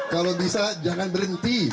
kalau bisa jangan berhenti